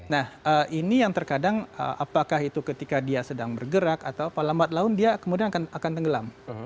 nah ini yang terkadang apakah itu ketika dia sedang bergerak atau apa lambat laun dia kemudian akan tenggelam